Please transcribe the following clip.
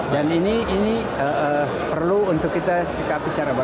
dan ini perlu untuk kita beri pengetahuan untuk pak irlangga